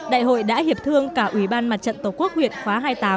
đại hội đã hiệp thương cả ủy ban mặt trận tổ quốc huyện khóa hai mươi tám